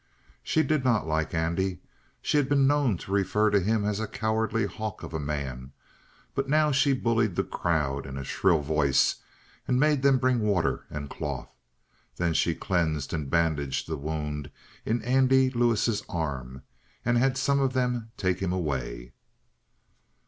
She did not like Andy. She had been known to refer to him as a cowardly hawk of a man; but now she bullied the crowd in a shrill voice and made them bring water and cloth. Then she cleansed and bandaged the wound in Andy Lewis' arm and had some of them take him away.